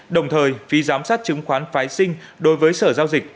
đồng thời phí giám sát chứng khoán phái sinh đối với sở giao dịch